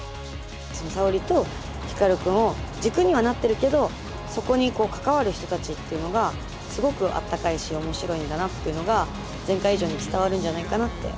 沙織と光くんを軸にはなってるけどそこに関わる人たちっていうのがすごくあったかいし面白いんだなっていうのが前回以上に伝わるんじゃないかなって思います。